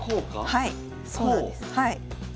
はいそうなんです。